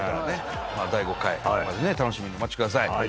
第５回楽しみにお待ちください。